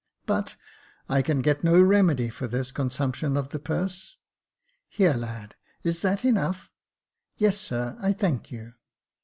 But, " I can get no remedy for this consumption of the purse. Here, my lad, is that enough .''"" Yes, sir, I thank you."